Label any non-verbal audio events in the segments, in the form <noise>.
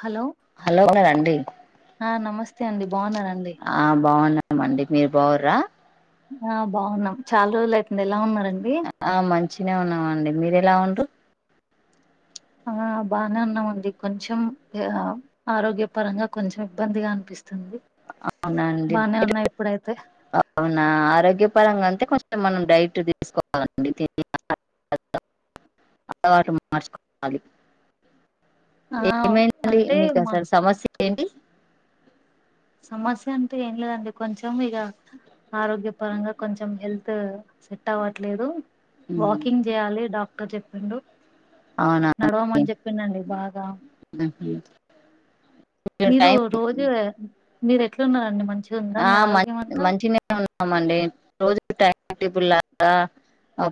Hello hello ఉన్నరాండి. స్తే అండి బాగున్నారండి ఆ బాగున్నామండి. మీరు బాగు్రా ఆ బాగున్నాం చాలా రోజులు అయితుంది ఎలా ఉన్నార్ అన్ అండి మంచి గనే ఉన్నా మ్ అండి మీరు ఎలా ఉండ్రు ఆ బానే ఉన్నామండి కొంచెం ఆరోగ్యపరంగా కొంచెం ఇబ్బందిగా అనిపిస్తు అవునా అండిడ ఇప్పుడైతే అవునా ఆరోగ్య పరంగా అంటే కొంచెం మనం డైట్ తీసుకోవాలండి తినే అలవాటు మార్చుకోవాలి. ఆ ఏమైందండి అంటే మీకు మా అసలు సమస్య ఏంటి సమస్య అంటే ఏం లేదండి కొంచెం కోంచం ఇగ ఆరోగ్య పరంగా కొంచెం హెల్త్ సెట్ అవ్వట్లేదు ఉమ్, వాకింగ్ చేయాలి డాక్ ఇన్కా చెప్పిండు అవునా నడవమని చెప్పిండండి బాగా మీరు మీరు టైం రోజు మీరు ఎట్లున్నారండి మంచిగా ఉందా ఆ మీ మ ఆరోగ్యం అంతా మంచిగనే ఉన్నామండి రోజు టైమ్ కె చన్టిపుల్లలాగా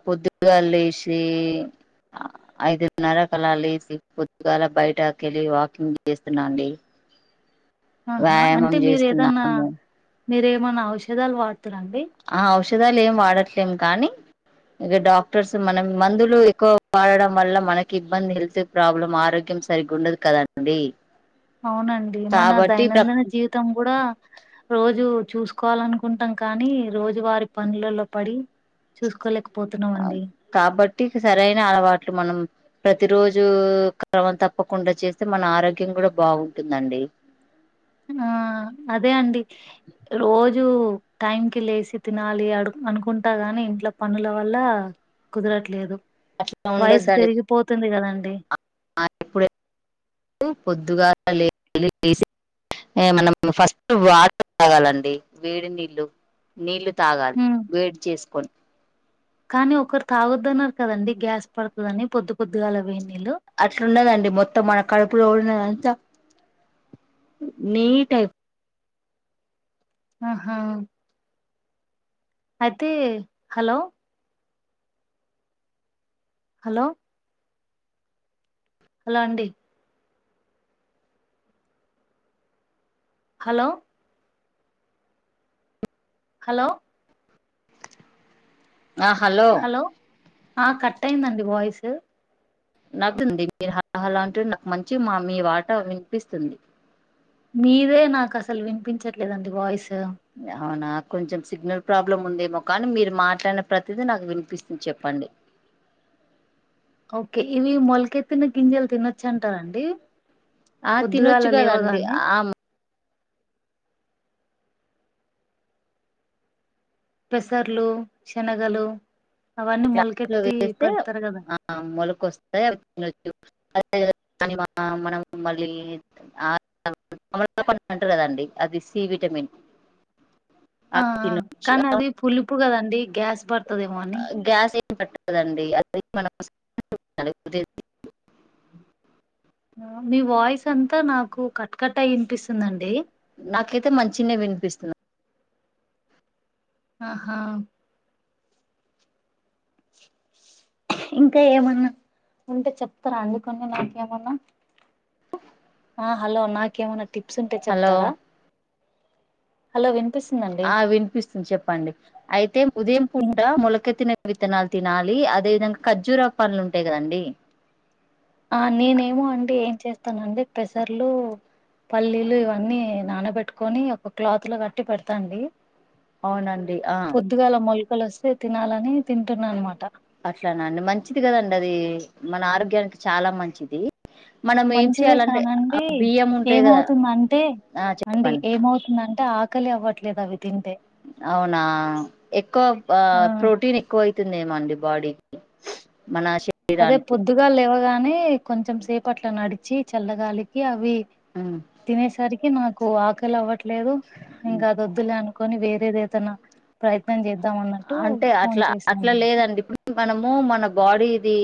పొద్దుగాల లేసి ఐదున్నర కల్ల లసి పొద్దుగాల బయటకెళ్ళి వాకింగ్ చేస్తున్నాండి ఆహా వ్యాయామం అంటే మీరు ఏదన్నా చేస్తున్నాము మీరేమన్నా ఔషధాలు వాడ ఆ ఔషధాలు ఏం వాడట్లేం కానీ ఇగ డాక్టర్స్ మనం మందులు ఎక్కువ వాడడం వల్ల మనకి ఇబ్బంది హెల్త్ ప్రాబ్లం ఆరోగ్యం సరిగ్గా ఉండదు కదండి అవునండి మన కాబట్టి దైనందిన జీవితం గూడా రోజు చూసుకోవాలనుకుంటాం కానీ రోజువారి పనులలో పడి చూసుకోలేక కాబట్టి ఇక సరైన అలవాట్లు మనం ప్రతి రోజూ క్రమం తప్పకుండా చేస్తే మన ఆరోగ్యం కూడా బాగుంటుందండి ఆ అదే అండి రోజ్ జూ టైం కి లేసి తినాలి అడి అనుకుంటా గాని ఇంట్లో పనుల వల్ల కుదరట్లేదు అట్లా వయసు ఉండొద్దండి పెరిగిపోతుంది కదండి ఇప్పుడ పొద్దుగా లే లేసి ఎ మనం ఫస్ట్ వాటర్ తాగాలండి వేడి నీళ్ళు నీళ్ళు తాగాలి ఉమ్ వేడి చేసుకొని కానీ ఒకరు తాగొద్దన్నారు కదండి గ్యాస్ పడతదని పొద్దు పొద్దుగాల వేడి నీళ్ళు అట్లుండదండి మొత్తం మనకాడు పులో ఉన్నదంతా నీటై ఆహా అయితే హలో హలో హలో అండి హలో హలో హలో ఆ క టైయిందండి వాయిసు నాత్తుంది మీరు హ హలో అంటే నాకు మంచిగా మా మీ మాట వినిపిస్తుంది మీదే నాకసలు వినిపించట్లేదండి వాయిస్ అవునా కొంచెం సిగ్నల్ ప్రాబ్లమ్ ఉందేమో కానీ మీరు మాట్లాడిన ప్రతిదీ నాకు వినిపిస్తుంది చెప్పండి ఓకే ఇవి మొలకెత్తిన గింజలు తినొచ్చు అంటారా అండి ఆ తినొచ్చు కదండి ఆమ్ పెసర్లు శనగలు అవన్నీ యట్లో మొలకెత్తి వేస్తే పెడతారు కదా ఆ మొల కొస్తాయ్ <unintelligible> మనం మళ్ళీ <unintelligible> అంటారు కదండి అది సి విటమిన్ ఆ ఆ కానీ అది పులిపు కదండి గ్యాస్ పడతదేమో అని గ్యాస్ పట్టదండి అది మనం <unintelligible> ఆ మీ వాయిస్ అంతా నాకు కట్ కట్టయ్ ఇనిపిస్తుందండి నాకైతే మంచినే వినిపిస్తున్నా ఆహా ఇంకా ఏమన్నా ఉంటే చెప్తారా అండి కొన్ని నాకేమన్నా ఆ హలో నాకేమన టిప్స్ ఉంటే హలో చెప్తారా హలో విన్ ఆ వినిపిస్తుంది చెప్పండి అయితే ఉదయం పూట మొలకెత్తిన విత్తనాలు తినాలి అదేవిధంగా ఖర్జూర పండ్లు ఉంటాయి కదండీ ఆ నేనేమో అండి ఏం చేస్తానండి పెసర్లు పల్లీలు ఇవన్నీ నానబెట్టుకొని ఒక క్లాత్ లో కట్టి పెడతా అండి అవునండి ఆ పొద్దుగాల మొలకలు వస్తే తినాలని తింటున్నా అనమాట అట్లాన అండి మంచిది కదండి అది మన ఆరోగ్యానికి చాలా మంచిది మనం ఏం మంచిదే చేయాలంటే ఆ కానండి బియ్యం ఉంటాయి కదా ఏమవుతుందంటే ఆ అండి చెప్పండి ఏమవుతుందంటే ఆక్ కలి అవ్వట్లేదవి అవునా ఎక్కువ ఆ ప్రోటీన్ ఎక్కువ అయితుందిమో అండి బాడీకి అదే పొద్దుగాల లేవగానే నే కొంచెం సేపట్ల నడిచి చల్లగాలికి అవి ఉమ్ తినేసరి కి నాకు ఆకలి అవ్వట్లే లేవు ఉమ్ ఇంక అదోద్దులే అనుకు కొని వేరేదేదైనా ప్రయత్నం చేద్ద అంటే అట్లా అట్లా లేదండి ఇప్పుడు మనము మన బాడీ ఇది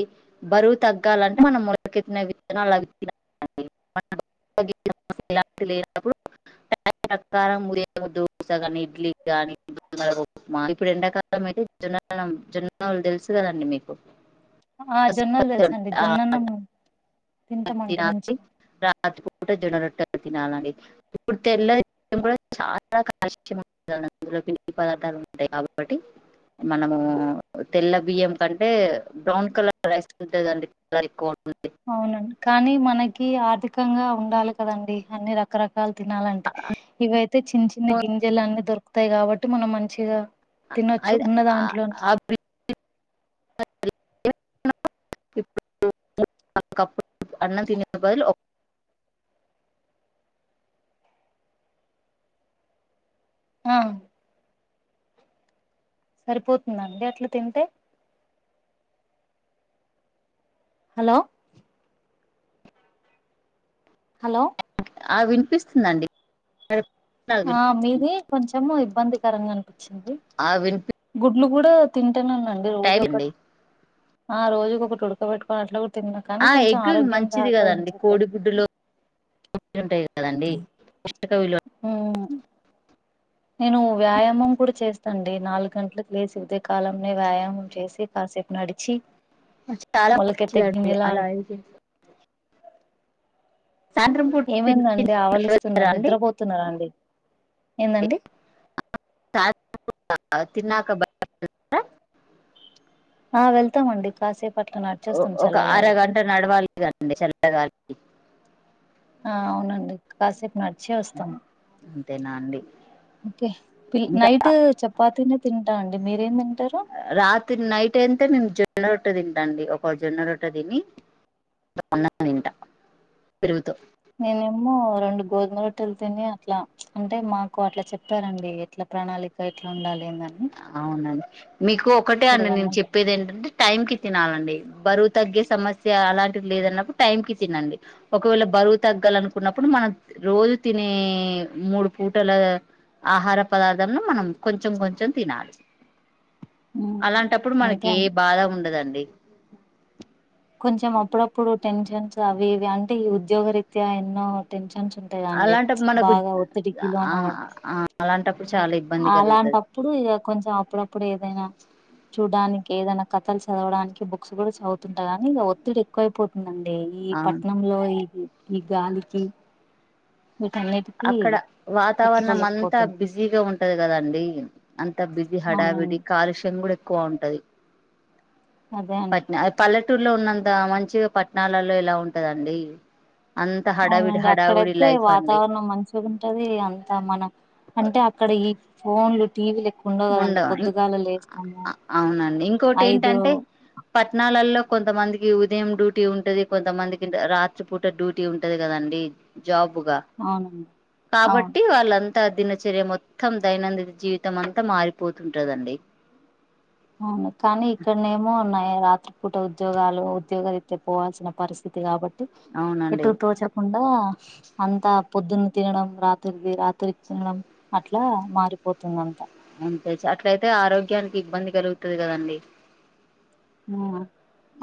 బరువు తగ్గాలంటే మనం మొలకెత్తిన విత్తనాలవి తినాలి <unintelligible> దోస గాని ఇడ్లీ గాని ఉక్మా ఇప్పుడు ఎండాకాలం అయితే <unintelligible> జొన్నలు తెలుసు కదండీ మీకు ఆ జొన్నలు తెలుసండి జొన్నన్నము అన్ని తినాలి <unintelligible> ఎప్పుడు జొనరొట్టలు తినాలండి ఇప్పుడు తెల్ల బియ్యం కూడా చాలా <unintelligible> అందులో పిం పదార్థాలు ఉంటాయి కాబట్టి మనము తెల్ల బియ్యం కంటే బ్రౌన్ కలర్ రైస్ ఉంటది కదండీ <unintelligible> అవునండి కానీ మనకి ఆర్థికంగా ఉండాలి కదండి అన్ని రకరక కాలు తినాలంటే ఇవయితే చిన్న చిన్న గింజలు అన్నీ దొరుకు తాయి కాబట్టి మనం మంచిగా తినొచ్చు అది ఉన్న ఆ- దాంట్లో ఆ <unintelligible> అన్నం తినే బదులు ఆ సరిపోతుందా అండి అట్లా తింటే హలో హలో ఆ వినిపిస్తుందండి నాకు ఆ మీది కొంచెం ఏమో ఇబ్బందికరంగా అనిపి చింది ఆ వినిపి గు నులు కూడా తి టనేన్నాండి రోజు టైం అండి ఒకటి ఆ రోజుక ఒకటి ఉడకబట్టుకని అట్లా తిన్నా కానీ ఆ కొంచెం ఎగ్ ఆరోగ్యం మంచిది కదండి సహకరించట్లే కోడి గుడ్డులో ఉంటాయి కదండి పౌస్టికవిలువ హూ నేను వ్యాయామం కూడా చేస్తాండి నాలుగు గంటలలకు లేసి కాలంని వ్యాయామం చేసి కాసేపు నాడి చాలా మంచిదండి గింజలా అలా అయితే సాయంత్రం పూట తింటారా ఏమైందండి ఆవలిస్తుందండి అండి నిద్రపోతున్నారా అండి ఏందండి తిన్నాక బ ఆ వెళ్తామండి కాసేపట్ల ఒ- నడిచేస్తాం చల్లగాలికి చల్ల గాలి ఆ అవునండి కాసేపు నాడ్ చేస్తామ్ తినండి ఓకే నైట్ చపాతీ తింటా అండి మీరేం తింటారు రాత్రి నైట్ అంత జిమ్ జొన్న రొట్ట తింటా అండి ఒక జొన్న రొట్ట తిని తింట పెరుగు తో నేనేమో రెండు గోధుమ రొట్టెలు తిని అట్లా అంటే మాకు అట్లా చెప్పారండి ఎట్లా ప్రణాళిక ఎట్లా ఉండాలి <unintelligible> అవునండి మీకు ఒకటే అన్న నేను తిరగన్నం చెప్పేది ఏంటంటే టైం కి తినాలండి బరువు తగ్గే సమస్య అలాంటిది లేదన్నప్పుడు టైం కి తినండి ఒకవేళ బరువు తగ్గాలనుకున్నప్పుడు మనం రోజు తినే మూడు పూటల ఆహార పదార్థను మనం కొంచెం కొంచెం తినాలి అలాంటప్పుడు మనకి అంతే ఏ అండి బాధ ఉండదండి కొంచెం అప్పుడప్పుడు టెన్షన్స్ అవి ఇవి అంటే ఈ ఉద్యోగ రీత్యా ఎన్నో టెన్షన్ న్స్ ఉంటాదండి అలాంటప్పుడు బాగా ఒత్తిడి కి లో నావ్వడం అలాంటప్ అలాంటప్పుడు ఇగ కొంచెం అప్పుడప్పుడు ఏదైనా చూడ్డానికి ఏదైనా కథలు చదవడానికి బుక్స్ కూడా చదువుతుంటా కాగానీ ఇక ఒత్తిడి ఎక్కువైపోతుందండి అంటే ఈ అవును పట్ణంలో ఇది ఈ గాలికి వీటన్నిటికీ అక్కడ వాతావరణం అంతా తట్టుకోలేకపోతున్నా బిజీగా ఉంటది కదండి అంత అంత బిజి హడావిడి అవునండి కాలుష్యం కూడా ఎక్కువ ఉంటది అదే అండి పట్నా పల్లే పల్లెట్టూర్లో ఉన్నంత మంచిగా పట్టణాలలో ఎలా ఉంటదండి అంత హడావిడి హడావిడి లైఫ్ అండి నం మంచి ఉంటది అంత మన అంటే అక్కడ ఈ ఫోన్లు టీవీలు ఎక్కువ కదండి ఉండవు పొద్దుగాల లేస్తాము అవునండి ఐదు ఇంకోటెంట్టంటే పట్టణాలలో కొంతమందికి ఉదయం డ్యూటీ ఉంటది కొంతమందికి రాత్రి పూట డ్యూటీ ఉంటది కదండి జాబ్ పుగా అవునండి అవును కాబట్టి వాళ్ళంతా త దినచర్య మొత్తం దైనందిత జీవితం అంత అంత మారిపోతుంటదండి అవును కానీ ఇక్కడనే ఏమో ఉన్నాయా రాత్ర రాత్రి పూట ఉద్యోగాలు ఉద్యోగరీత్యా పోవల్సిన పరిస్థితి కాబట్టి అవునండి ఎటు తోచకుండా అంత పొద్దున్న తినడం రాత్రిది రాత్రికి తినడం అట్లా మారిపోతుంది అంత అంతే అట్లయితే ఆరోగ్యానికి ఇబ్బంది కలుగుతది కదండి హ్మ్మ్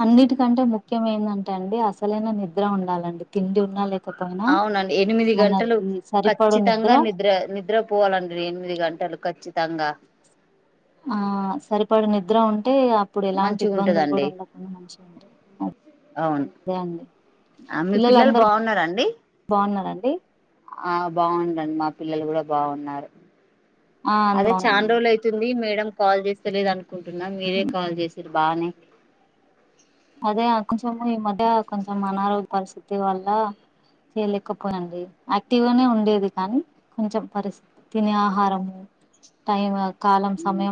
అన్నిటికంటే ముఖ్యమెందంటే అండి అసలైన నిద్ర ఉండాలండి తిండి ఉన్నా లే అవునండి ఎనిమిది గంటలు ఖచ్చితంగా నిద్ర నిద్ర పోవాలండి ఎనిమిది గంటలు ఖచ్చిత తంగా ఆ సరిపడు నిద్ర ఉం టే అప్పుడు ఎలాంటి మంచిగా ఇబ్బందులు కూడా ఉంటదండి ఉండకుండా మంచిగా ఉంటాయి అ అవును అదే అండి మీ పిల్లలు పిల్లలుందరు బాగున్నారండి బాగున్నారండి. డి ఆ బాగుండండి మా పిల్లలు కూడా బాగున్నారు ఆ అందరు అదే బాగున్నారండి చాండ్రోలు అయితుంది మేడం కాల్ చేస్తేలేదానికి అనుకుంటున్నా మీరే కాల్ చేసి బానే అదే ఆ కొంచెము ఈ మధ్య కొంచెం అనారోగ్య పరిస్థితి వల్ల చేయలేకపోయ అండి యాక్టివ్ గానే ఉండేది కానీ కొంచెం పరిస్థితి తినే ఆహారము టైం అది మ్మ్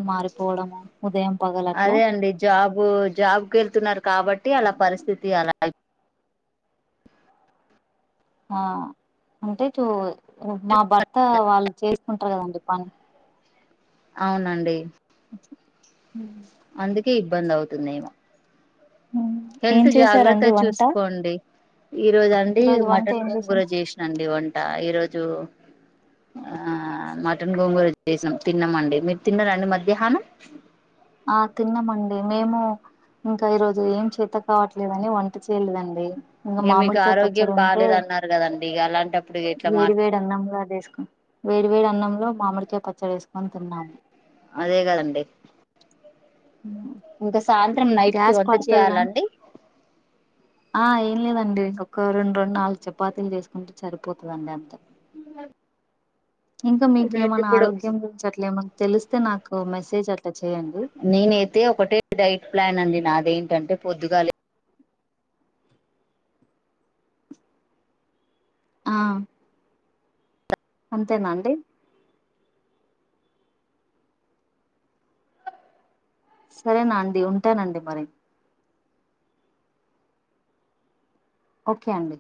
పగలట్లా అదే అండి జాబు జాబ్ కి వెళ్తున్నారు కాబట్టి అలా పరిస్థితి అలా ఆ అంటే చూ మా భర్త వాళ్ళు చేసుకుంటరు కదండి పని అవునండి హ్మ్ అందుకే ఇబ్బంది అవుతుందేమో ఏం హెల్త్ జాగ్రత్త చేసారండి వంట చూసుకోండి ఈ రోజు అండి ఈరోజు వంట మటన్ ఏం గోంగుర చేసాం చేసినాండి వంట ఈరోజు ఆ మటన్ గోంగూర వచ్చేసినాం తిన్నామండి మీరు తిన్నారండి మధ్యాహ్నం ఆ తిన్నామండి మేము ఇంకా ఈరోజు ఏం చేత కావట్లేదుని వంట చేయలేదండి ఇంకా ఇక మీకు మామిడికాయ ఆరోగ్యం పచ్చడి ఉంటే బాలేేదున్నారు కదండి ఇక అలాంటప్పుడు ఇట్లా వేడి మాట్లా వేడి అన్నంలో అది వేసుకుని వేడి వేడి అన్నంలో మామిడికే పచ్చడి వేసుకొని తిన్నాము అదే కదండి ఇంకా సాయంత్రం నైట్ కి గ్యాస్ వంట పడుతది గానీ చేయాలండి ఆ ఏం లేదండి ఒక రెండు రెండు నాలుగు చపాతీలు చేసుకుంటే సరిపోతుందండి అంతే ఉ ఇంక మీకేమన్నా ఆరోగ్యం గురించి అట్లేమ తెలిస్తే నాకు మెసేజ్ అ నేనైతే ఒకటే డైట్ ప్లాన్ అండి నాదేంటి ఏంటంటే పొద్దుగాలి ఆ అంతేనాండి సరేనా అండి ఉంటానండి మరి ఒకే అండి